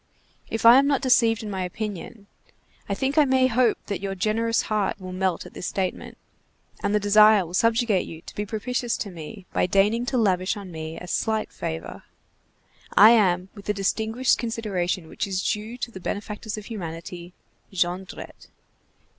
If I am not deseaved in my opinion, I think I may hope that your generous heart will melt at this statement and the desire will subjugate you to be propitious to me by daigning to lavish on me a slight favor. I am with the distinguished consideration which is due to the benefactors of humanity,— JONDRETTE.